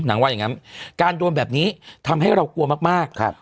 ว่าอย่างงั้นการโดนแบบนี้ทำให้เรากลัวมากมากครับ